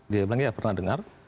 dia bilang ya pernah dengar